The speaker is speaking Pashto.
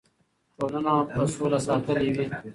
ټولنه به سوله ساتلې وي.